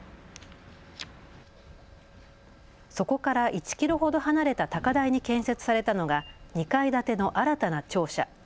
そこから１キロほど離れた高台に建設されたのが２階建ての新たな庁舎。